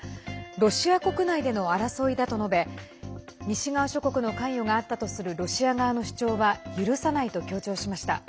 ロシア国内での争いだと述べ西側諸国の関与があったとするロシア側の主張は許さないと強調しました。